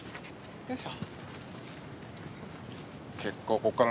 よいしょ！